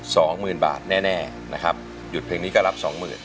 สองหมื่นบาทแน่แน่นะครับหยุดเพลงนี้ก็รับสองหมื่น